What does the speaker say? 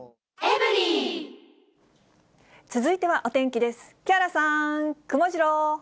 続いてはお天気です。